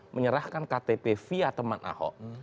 menyerahkan ktp via teman ahok